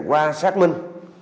qua xác minh